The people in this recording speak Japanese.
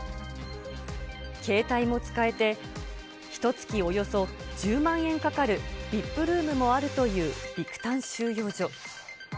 携帯も使えて、ひとつきおよそ１０万円かかるＶＩＰルームもあるというビクタン収容所。